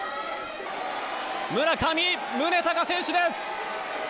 村上宗隆選手です！